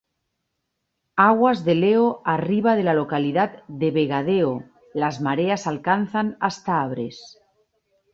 Aguas del Eo arriba de la localidad de Vegadeo, las mareas alcanzan hasta Abres.